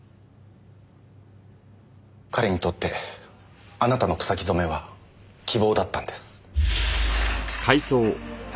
彼にとってあなたの草木染めは希望だったんです。